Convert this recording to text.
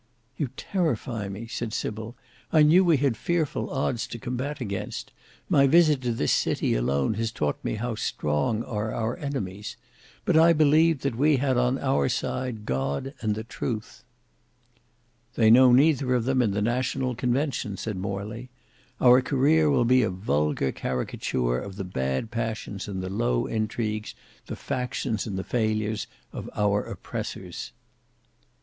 "You terrify me," said Sybil. "I knew we had fearful odds to combat against. My visit to this city alone has taught me how strong are our enemies. But I believed that we had on our side God and Truth." "They know neither of them in the National Convention," said Morley. "Our career will be a vulgar caricature of the bad passions and the low intrigues, the factions and the failures, of our oppressors."